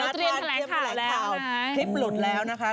ว่าติเรียงค่ะละหน่อยพี่อุนแล้วนะคะ